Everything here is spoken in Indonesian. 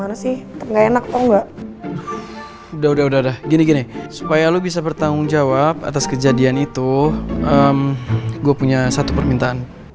udah udah udah gini gini supaya lo bisa bertanggung jawab atas kejadian itu gue punya satu permintaan